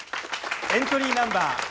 エントリーナンバー